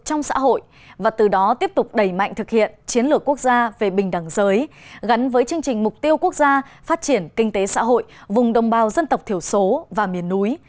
trong xã hội và từ đó tiếp tục đẩy mạnh thực hiện chiến lược quốc gia về bình đẳng giới gắn với chương trình mục tiêu quốc gia phát triển kinh tế xã hội vùng đồng bào dân tộc thiểu số và miền núi